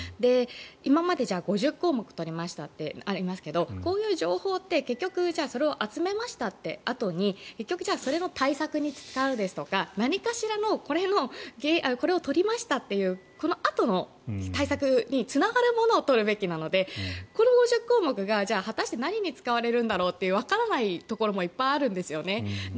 今まで例えば５０項目取りましたってありますけどそういう情報ってそれを集めたあとに対策に使うですとか何かしらのこれを取りましたっていうこのあとの対策につながるものを取るべきなのでこの項目が果たして何に使われるんだろうとわからないところもいっぱいあるんです。